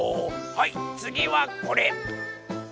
はいつぎはこれ！